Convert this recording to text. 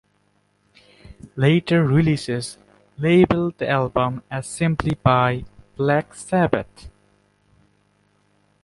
Later releases label the album as simply by "Black Sabbath".